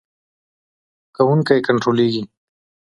د دوو تبدیل سویچونو په کارولو سره یو مصرف کوونکی کنټرولېږي.